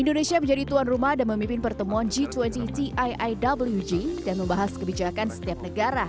indonesia menjadi tuan rumah dan memimpin pertemuan g dua puluh tiiwg dan membahas kebijakan setiap negara